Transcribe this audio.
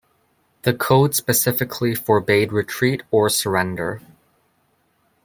The code specifically forbade retreat or surrender.